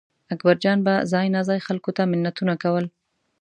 اکبرجان به ځای ناځای خلکو ته منتونه کول.